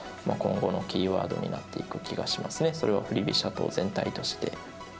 それは振り飛車党全体として。